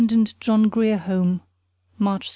SUP'T JOHN GRIER HOME, March 6.